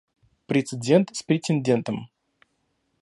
Прецедент с претендентом.